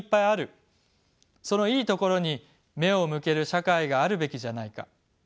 そのいいところに目を向ける社会があるべきじゃないか。